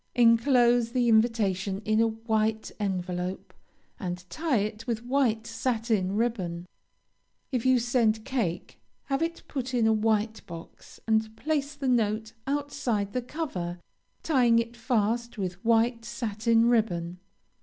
Enclose the invitation in a white envelope, and tie it with white satin ribbon. If you send cake, have it put in a white box, and place the note outside the cover, tying it fast with white satin ribbon.